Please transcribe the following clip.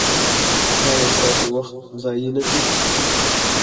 ایا ستاسو وخت ضایع نه شو؟